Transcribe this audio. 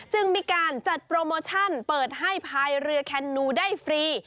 จึงมีการจัดโปรโมชั่นเปิดให้ภายเรือแคนนูได้ฟรี